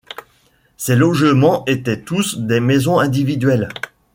Ces logements étaient tous des maisons individuelles.